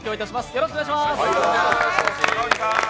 よろしくお願いします。